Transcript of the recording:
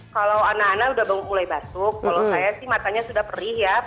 kalau anak anak sudah mulai batuk kalau saya sih matanya sudah perih ya